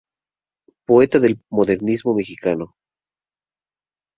Poeta del Modernismo mexicano.